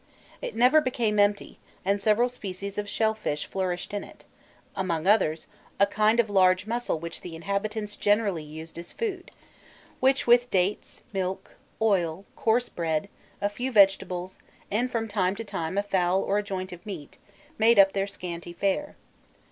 It never became empty, and several species of shellfish flourished in it among others, a kind of large mussel which the inhabitants generally used as food, which with dates, milk, oil, coarse bread, a few vegetables, and from time to time a fowl or a joint of meat, made up their scanty fare.